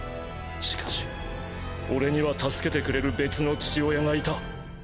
しかし俺には助けてくれる別の父親がいた。